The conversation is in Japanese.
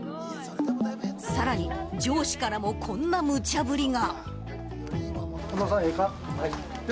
さらに上司からもこんなむちゃぶりが。